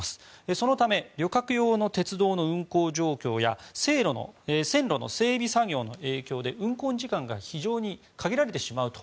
そのため旅客用の鉄道の運行状況や線路の整備作業の影響で運行時間が非常に限られてしまうと。